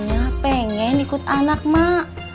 ya pengen ikut anak mak